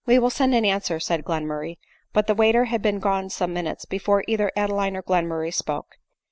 " We will send an answer," said Glenmurray ; but the waiter had been gone some minutes before either Adeline or Glenmurray spoke.